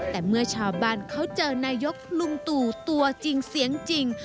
แต่เมื่อชาวบ้านเขาเจอนายกลุงตู่ตัวจริงเสียงจริง